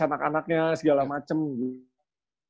anak anaknya segala macem gitu